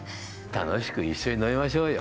楽しく一緒に飲みましょうよ。